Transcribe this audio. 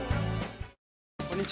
こんにちは。